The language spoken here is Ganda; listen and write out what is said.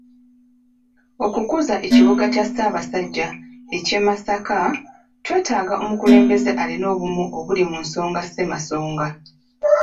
Okukuza ekibuga kya Ssaabasajja ekya Masaka twetaaga omukulembeze alina obumu obuli mu nsonga ssemasonga.